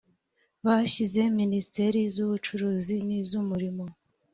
bashyize minisiteri z’ubucuruzi niz’ umurimo.